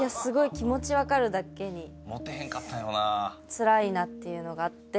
つらいなっていうのがあって。